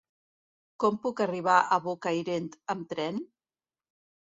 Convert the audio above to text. Com puc arribar a Bocairent amb tren?